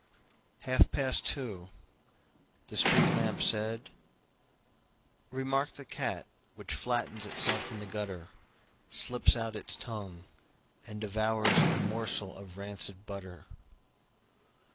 Half past two, The street lamp said,"Remark the cat which flattens itself in the gutter, Slips out its tongueAnd devours a morsel of rancid butter."